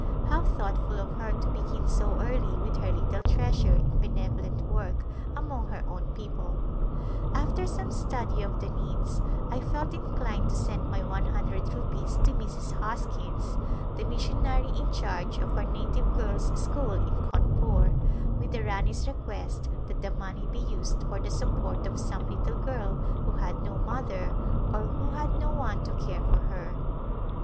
How thoughtful of her to begin so early with her little treasure in benevo lent work among her own people ! After some study of the needs I felt inclined to send my one hundred rupees to Mrs. Hoskins, the missionary in charge of our Native Girls' School in Cawnpore, with the Rani's request that the money be used for the support of some little girl who had no mother or who had no one to care for her.